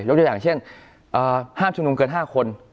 ยกอย่างเช่นห้ามชงดงเกิน๕คน